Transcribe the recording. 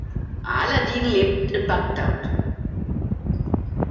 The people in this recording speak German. Aladin lebt in Bagdad.